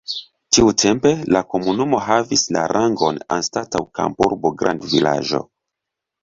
Tiutempe la komunumo havis la rangon anstataŭ kampurbo grandvilaĝo.